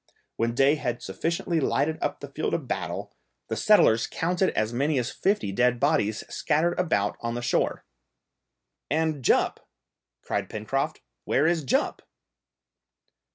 When day had sufficiently lighted up the field of battle, the settlers counted as many as fifty dead bodies scattered about on the shore. "And Jup!" cried Pencroft, "where is Jup?"